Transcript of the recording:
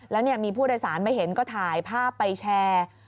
แล้วมีผู้โดยสารมาเห็นก็ถ่ายภาพไปแชร์